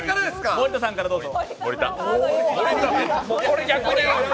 森田さんからどうぞ。